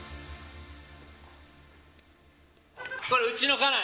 これ、うちの家内。